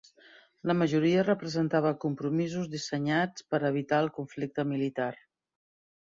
La majoria representava compromisos dissenyats per a evitar el conflicte militar.